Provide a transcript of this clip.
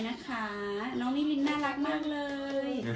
นะคะน้องลิลินน่ารักมากเลย